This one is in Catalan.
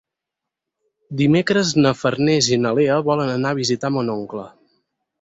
Dimecres na Farners i na Lea volen anar a visitar mon oncle.